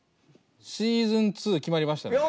シーズン２決まりましたね。